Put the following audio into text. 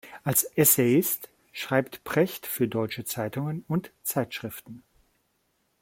Als Essayist schreibt Precht für deutsche Zeitungen und Zeitschriften.